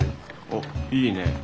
おっいいね。